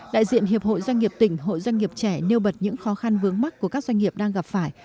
đại diện hiệp hội doanh nghiệp tỉnh hội doanh nghiệp trẻ nêu bật những khó khăn vướng mắt của các doanh nghiệp đang gặp phải